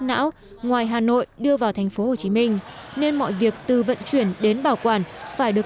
não ngoài hà nội đưa vào thành phố hồ chí minh nên mọi việc từ vận chuyển đến bảo quản phải được